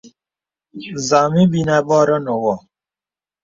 Zama ebínī àbòròŋ nə wô.